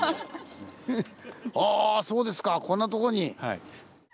あそうですかこんなとこに！